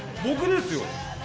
僕ですよ。